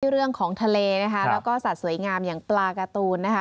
เรื่องของทะเลนะคะแล้วก็สัตว์สวยงามอย่างปลาการ์ตูนนะคะ